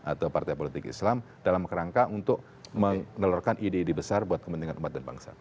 atau partai politik islam dalam kerangka untuk menelurkan ide ide besar buat kepentingan umat dan bangsa